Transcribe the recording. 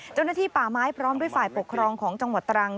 เจ้าหน้าที่ป่าไม้พร้อมด้วยฝ่ายปกครองของจังหวัดตรัง